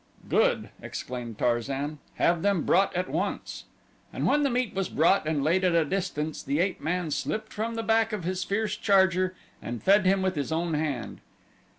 "Good," exclaimed Tarzan. "Have them brought at once." And when the meat was brought and laid at a distance the ape man slipped from the back of his fierce charger and fed him with his own hand.